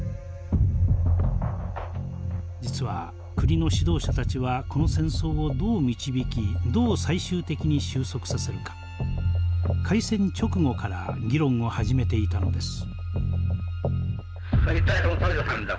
実は国の指導者たちはこの戦争をどう導きどう最終的に収束させるか開戦直後から議論を始めていたのです。